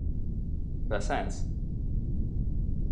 Beszállsz?